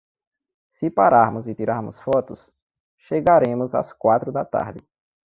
Se pararmos e tirarmos fotos, chegaremos às quatro da tarde.